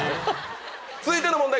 続いての問題